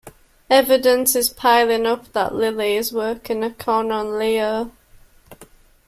Evidence is piling up that Lily is working a con on Leo.